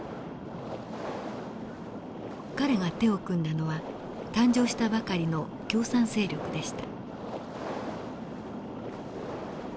彼が手を組んだのは誕生したばかりの共産勢力でした。